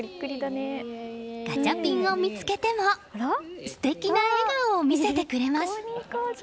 ガチャピンを見つけても素敵な笑顔を見せてくれます。